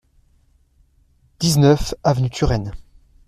dix-neuf avenue Turenne